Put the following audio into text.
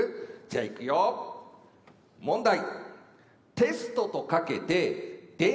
じゃあいくよ問題。